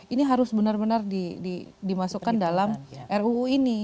ini harus benar benar dimasukkan dalam ruu ini